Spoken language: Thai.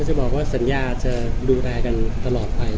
จะบอกว่าสัญญาจะดูแลกันตลอดไป